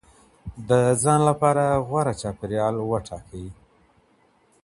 د ځان لپاره غوره چاپیریال وټاکئ.